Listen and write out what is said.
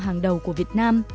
hàng đầu của việt nam